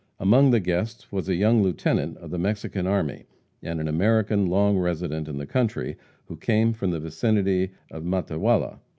Among the guests was a young lieutenant of the Mexican army, and an American long resident in the country, who came from the vicinity of Matehuala.